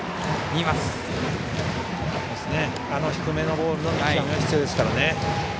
低めのボールの見極めは必要ですからね。